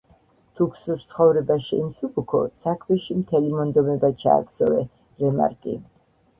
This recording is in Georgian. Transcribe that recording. „თუ გსურს, ცხოვრება შეიმსუბუქო, საქმეში მთელი მონდომება ჩააქსოვე.” – რემარკი.